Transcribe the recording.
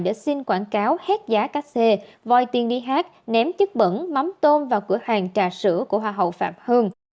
để xin quảng cáo hét giá cá xê vòi tiên đi hát ném chức bẩn mắm tôm vào cửa hàng trà sữa của hoa hậu phạm hương